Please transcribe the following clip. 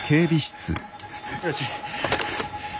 よし。